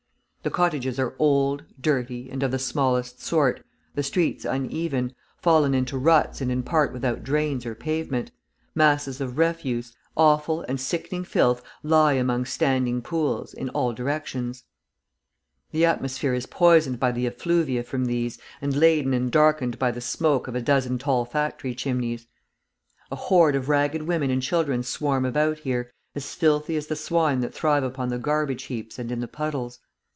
The cottages are old, dirty, and of the smallest sort, the streets uneven, fallen into ruts and in part without drains or pavement; masses of refuse, offal and sickening filth lie among standing pools in all directions; the atmosphere is poisoned by the effluvia from these, and laden and darkened by the smoke of a dozen tall factory chimneys. A horde of ragged women and children swarm about here, as filthy as the swine that thrive upon the garbage heaps and in the puddles.